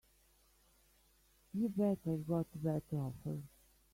You bet I've got a better offer.